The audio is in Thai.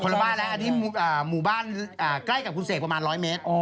ละบ้านแล้วอันนี้หมู่บ้านใกล้กับคุณเสกประมาณ๑๐๐เมตร